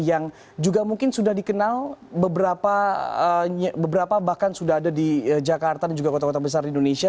yang juga mungkin sudah dikenal beberapa bahkan sudah ada di jakarta dan juga kota kota besar di indonesia